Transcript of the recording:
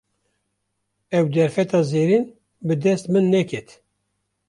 Ew derfeta zêrîn, bi dest min neket